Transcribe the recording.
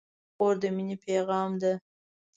خور د مینې پیغام ده.